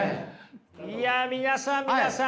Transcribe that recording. いや皆さん皆さん。